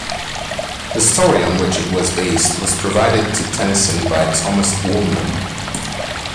The story on which it was based was provided to Tennyson by Thomas Woolner.